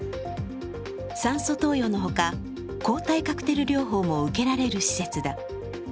酸素投与のほか、抗体カクテル療法も受けられる施設だ。